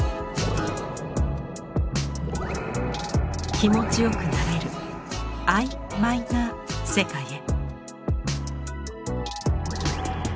気持ちよくなれるあいマイな世界へ。